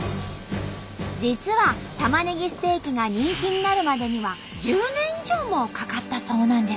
実はたまねぎステーキが人気になるまでには１０年以上もかかったそうなんです。